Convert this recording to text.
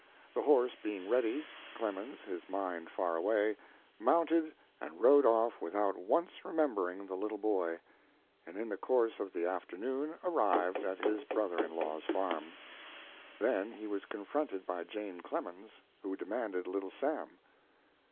The horse being ready, Clemens, his mind far away, mounted and rode off without once remembering the little boy, and in the course of the afternoon arrived at his brother in law's farm. Then he was confronted by Jane Clemens, who demanded Little Sam.